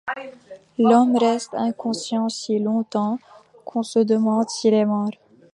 L'homme reste inconscient si longtemps qu'on se demande s'il est mort.